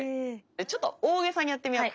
ちょっと大げさにやってみようか。